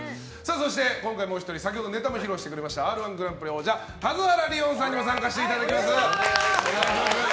そしてもう１人先ほどネタも披露してくれました「Ｒ‐１グランプリ」王者田津原理音さんにも参加していただきます。